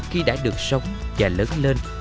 khi đã được sống và lớn lên